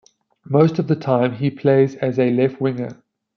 Most of the time he plays as a left winger.